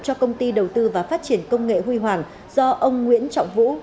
cho công ty đầu tư và phát triển công nghệ huy hoàng do ông nguyễn trọng vũ